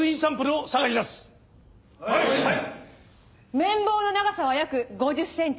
麺棒の長さは約５０センチ。